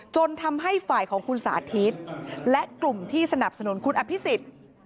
จนทำให้ฝ่ายของคุณสาธิตและกลุ่มที่สนับสนุนคุณอภิษฎ